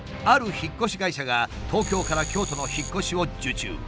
ある引っ越し会社が東京から京都の引っ越しを受注。